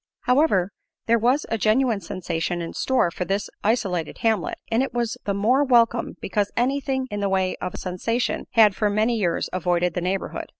However, there was a genuine sensation in store for this isolated hamlet, and it was the more welcome because anything in the way of a sensation had for many years avoided the neighborhood.